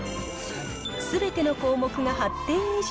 すべての項目が８点以上。